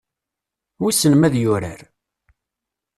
Wissen ma ad yurar?